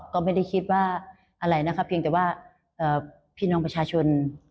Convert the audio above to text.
ก็ไม่ได้คิดว่าอะไรนะคะเพียงแต่ว่าพี่น้องประชาชน